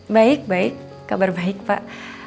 baik baik kabar baik pak